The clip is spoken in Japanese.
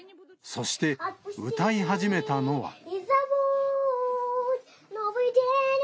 そして、歌い始めたのは。